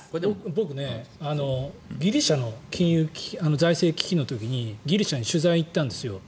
僕ギリシャの財政危機の時にギリシャに取材に行ったんです。